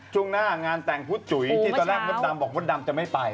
ชุ่งหน้างานแต่งพื้นจุ๋ยที่ตอนแรกมบอกมบดดำจะไม่ไป